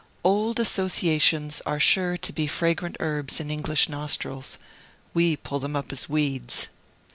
Old associations are sure to be fragrant herbs in English nostrils; we pull them up as weeds.